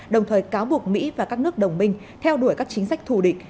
đồng thời cáo buộc mỹ và các nước đồng minh theo đuổi các chính sách thù địch